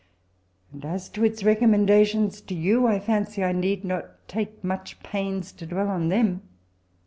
And as to its recommendation to yoiAf I iancy I need not take much pains to dwell on them.